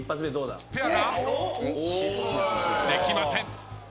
できません。